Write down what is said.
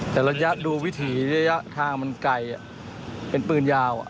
แต่ระยะดูวิถีระยะทางมันไกลเป็นปืนยาว